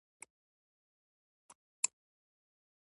کوښښ ډيرې جملې جوړې کړم.